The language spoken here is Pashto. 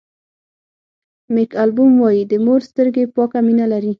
مېک البوم وایي د مور سترګې پاکه مینه لري.